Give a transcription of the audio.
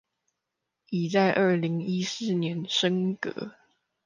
已在二零一四年升格